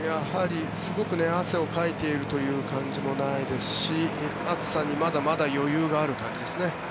すごく汗をかいているという感じもないですし暑さにまだまだ余裕がある感じですね。